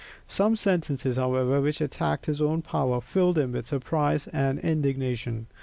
Some sentences, however, which attacked his own power, filled him with surprise and indignation.